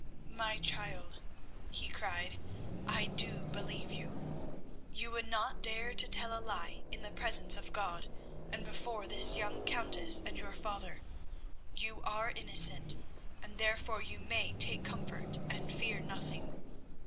"My child," he cried, "I do believe you. You would not dare to tell a lie in the presence of God and before this young Countess and your father. You are innocent, and therefore you may take comfort and fear nothing.